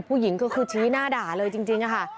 ผู้หญิงก็คือชี้หน้าด่าเลยจริงค่ะ